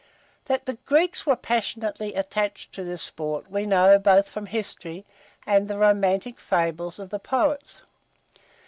That the Greeks were passionately attached to this sport, we know both from history and the romantic fables of the poets.